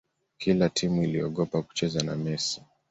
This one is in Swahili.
kila timu iliogopa kucheza na messi